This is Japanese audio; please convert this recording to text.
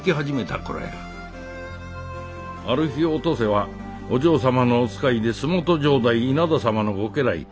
ある日お登勢はお嬢様のお使いで洲本城代稲田様の御家来津田貢